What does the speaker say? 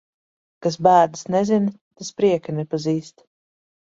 Kas bēdas nezina, tas prieka nepazīst.